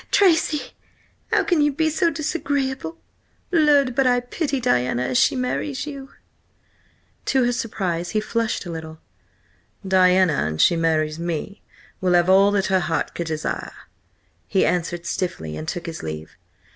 "Tracy, how can you be so disagreeable? Lud! but I pity Diana an she marries you!" To her surprise he flushed a little. "Diana, an she marries me, will have all that her heart could desire," he answered stiffly, and took his leave.